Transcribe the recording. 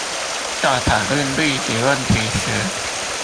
在討論歷史問題時